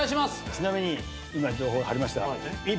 ちなみに今情報が入りました。